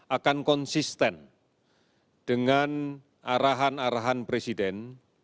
akan konsisten dengan arahan arahan presiden